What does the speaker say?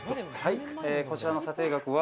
こちらの査定額は。